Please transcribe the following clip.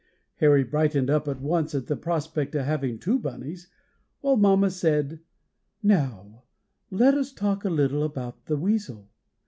] Harry brightened up at once at the prospect of having two Bunnies, while mamma said: "Now let us talk a little about the weasel.